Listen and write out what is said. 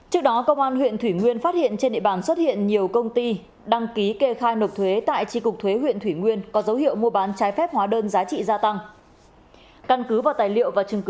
trước đó công an huyện thủy nguyên phát hiện trên địa bàn xuất hiện nhiều công ty đăng ký kê khai nộp thuế tại tri cục thuế huyện thủy nguyên có dấu hiệu mua bán trái phép hóa đơn giá trị gia tăng